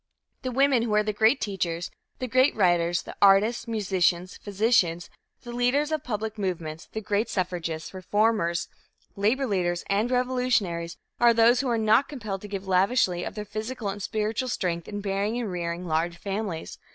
The women who are the great teachers, the great writers, the artists, musicians, physicians, the leaders of public movements, the great suffragists, reformers, labor leaders and revolutionaries are those who are not compelled to give lavishly of their physical and spiritual strength in bearing and rearing large families.